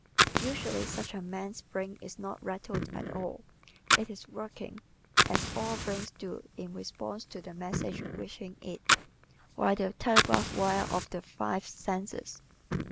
Usually such a man's brain is not rattled at all; it is working, as all brains do in response to the messages reaching it, via the telegraph wires of the five senses.